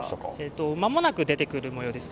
間もなく出てくるもようです。